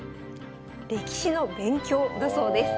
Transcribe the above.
歴史の勉強だそうです。